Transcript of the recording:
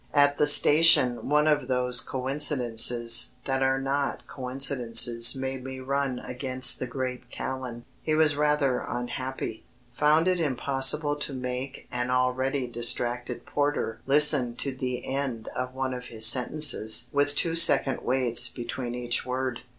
At the station one of those coincidences that are not coincidences made me run against the great Callan. He was rather unhappy found it impossible to make an already distracted porter listen to the end of one of his sentences with two second waits between each word.